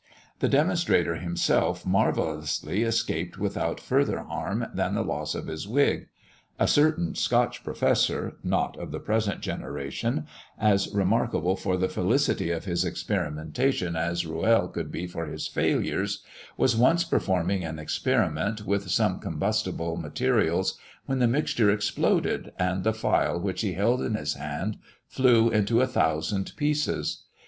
The demonstrator himself marvellously escaped without further harm than the loss of his wig. A certain Scotch Professor not of the present generation as remarkable for the felicity of his experimentation as Rouelle could be for his failures, was once performing an experiment with some combustible materials, when the mixture exploded, and the phial which he held in his hand flew into a thousand pieces.